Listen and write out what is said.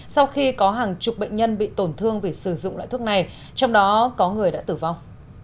sau khi có hàng chục bệnh nhân bị tổn thương vì sử dụng loại thuốc này trong đó có người đã tử vong